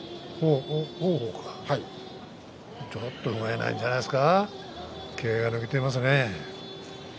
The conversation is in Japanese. ちょっとふがいないんじゃないですか、気が抜けてますね。